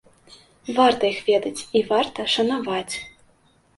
Варта іх ведаць і варта шанаваць.